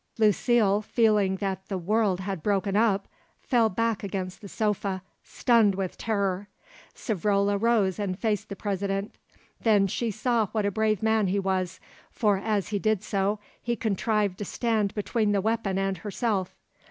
Lucile, feeling that the world had broken up, fell back against the sofa, stunned with terror. Savrola rose and faced the President. Then she saw what a brave man he was, for as he did so he contrived to stand between the weapon and herself.